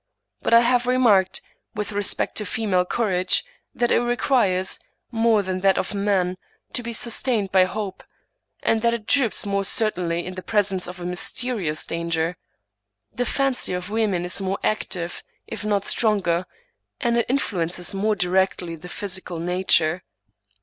But I have remarked, with respect to female courage, that it requires, more than that of men, to be sustained by hope; and that it droops more certainly in the presence of a mysterious danger. The fancy of women is more active, if not stronger, and it influ ences more directly the physical nature.